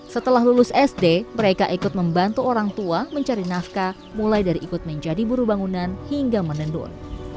setelah lulus sd mereka ikut membantu orang tua mencari nafkah mulai dari ikut menjadi buru bangunan hingga menendur